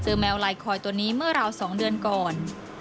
แมวลายคอยตัวนี้เมื่อราว๒เดือนก่อน